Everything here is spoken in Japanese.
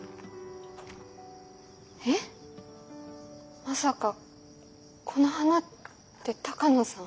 えっまさかこの花って鷹野さん？